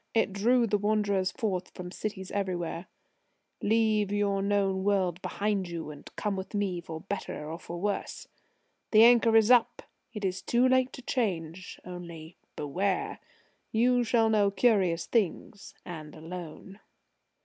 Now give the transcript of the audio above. It drew the wanderers forth from cities everywhere: "Leave your known world behind you, and come with me for better or for worse! The anchor is up; it is too late to change. Only beware! You shall know curious things and alone!"